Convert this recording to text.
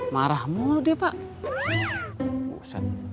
marah mau lu dia pak